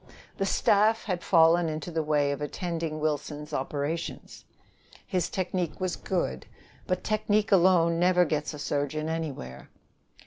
The staff had fallen into the way of attending Wilson's operations. His technique was good; but technique alone never gets a surgeon anywhere.